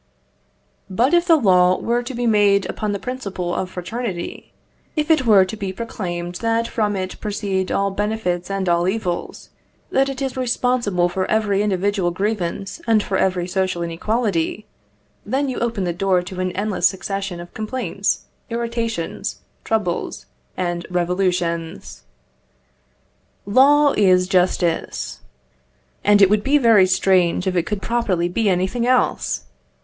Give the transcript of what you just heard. But if the law were to be made upon the principle of fraternity, if it were to be proclaimed that from it proceed all benefits and all evils that it is responsible for every individual grievance and for every social inequality then you open the door to an endless succession of complaints, irritations, troubles, and revolutions. Law is justice. And it would be very strange if it could properly be anything else!